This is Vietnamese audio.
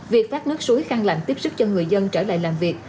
việc phát nước suối khăn lạnh tiếp sức cho người dân trở lại làm việc